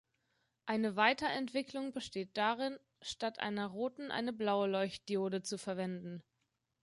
Eine Weiterentwicklung besteht darin, statt einer roten eine blaue Leuchtdiode zu verwenden.